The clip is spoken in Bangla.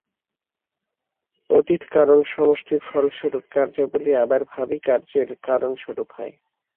অতীত কারণসমষ্টির ফলস্বরূপ কার্যাবলী আবার ভাবী কার্যের কারণস্বরূপ হয়।